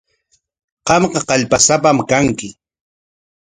Qamqa kallpasapam kanki.